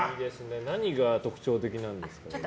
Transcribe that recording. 何が特徴的なんですか？